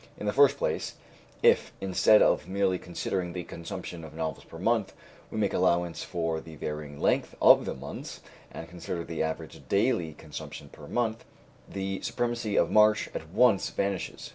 In the first place, if, instead of merely considering the consumption of novels per month, we make allowance for the varying length of the months, and consider the average daily consumption per month, the supremacy of March at once vanishes.